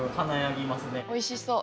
おいしそう。